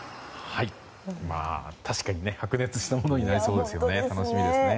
確かに白熱したものになりそうですね。